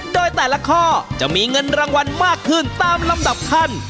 โดยแต่ละข้อจะมีเงินรางวัลมากขึ้นตามลำดับขั้น